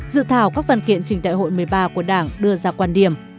dự thảo các văn kiện trình đại hội một mươi ba của đảng đưa ra quan điểm